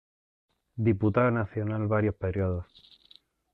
Diputado nacional varios periodos.